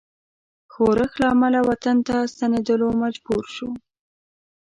ښورښ له امله وطن ته ستنېدلو مجبور شو.